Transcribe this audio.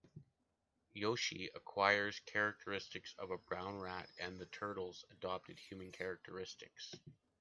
Yoshi acquires characteristics of a brown rat and the turtles adopt human characteristics.